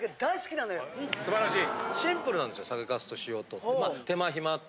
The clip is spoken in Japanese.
素晴らしい。